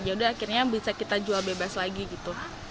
yaudah akhirnya bisa kita jual bebas lagi gitu